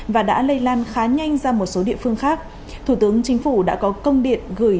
và đã lây lan khá nhanh ra một số địa phương khác thủ tướng chính phủ đã có công điện gửi